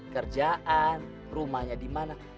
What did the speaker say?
kerjaan rumahnya dimana